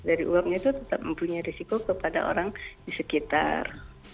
dari uapnya itu tetap mempunyai risiko kepada orang di sekitar